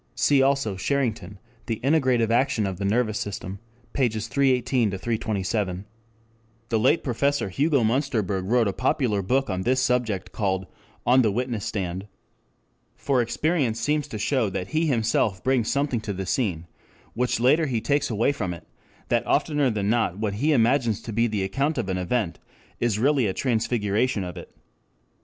Cf. also Sherrington, The Integrative Action of the Nervous System, pp. 318 327. The late Professor Hugo Münsterberg wrote a popular book on this subject called On the Witness Stand.] For experience seems to show that he himself brings something to the scene which later he takes away from it, that oftener than not what he imagines to be the account of an event is really a transfiguration of it.